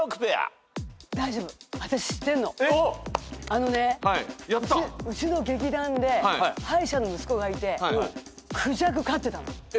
あのねうちの劇団で歯医者の息子がいてクジャク飼ってたの。